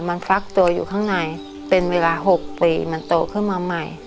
มันฟักตัวอยู่ข้างในเป็นเวลา๖ปีมันโตขึ้นมาใหม่